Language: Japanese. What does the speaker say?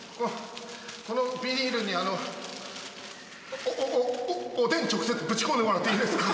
このビニールにあのおおおおでん直接ぶち込んでもらっていいですか？